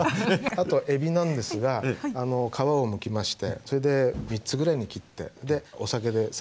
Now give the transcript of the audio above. あとえびなんですが皮をむきましてそれで３つぐらいに切ってでお酒でサッと洗ってですね